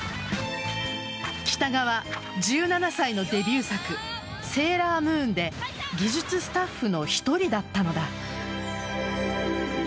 北川、１７歳のデビュー作「セーラームーン」で技術スタッフの１人だったのだ。